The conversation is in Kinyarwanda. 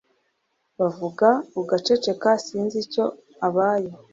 bavuga ugaceceka sinzi icyo abaye